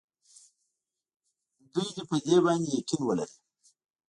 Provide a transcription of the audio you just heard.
دوی دې په دې باندې یقین ولري.